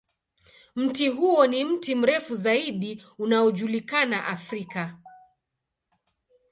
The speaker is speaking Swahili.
Mti huo ni mti mrefu zaidi unaojulikana Afrika.